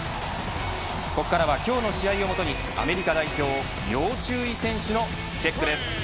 ここからは今日の試合を基にアメリカ代表要注意選手のチェックです。